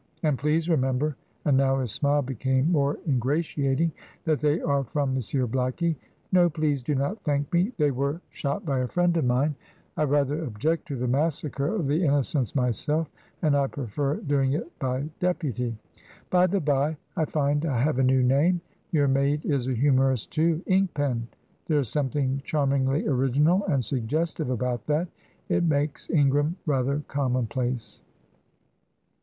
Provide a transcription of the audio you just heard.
And please remember" and now his smile became more ingratiating "that they are from Monsieur Blackie. No, please do not thank me. They were shot by a friend of mine. I rather object to the massacre of the innocents myself, and I prefer doing it by deputy. By the bye, I find I have a new name your maid is a humourist too. 'Ink pen' there is something charmingly original and suggestive about that. It makes Ingram rather commonplace."